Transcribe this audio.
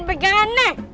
ibu jangan bergana